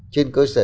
trên cơ sở